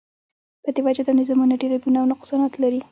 په دی وجه دا نظامونه ډیر عیبونه او نقصانات لری